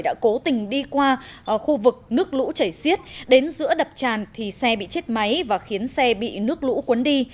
đã cố tình đi qua khu vực nước lũ chảy xiết đến giữa đập tràn thì xe bị chết máy và khiến xe bị nước lũ cuốn đi